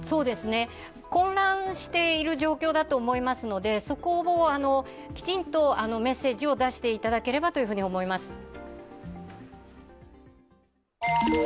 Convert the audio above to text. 混乱している状況だと思いますので、そこもきちんとメッセージを出していただければと思います。